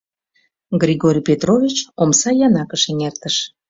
Григорий Петрович омса янакыш эҥертыш.